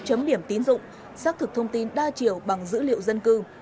chấm điểm tín dụng xác thực thông tin đa chiều bằng dữ liệu dân cư